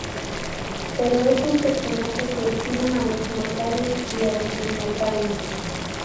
Pero es un personaje que estima a los mortales y a los inmortales.